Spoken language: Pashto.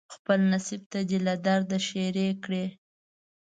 خپل نصیب ته دې له درده ښیرې کړي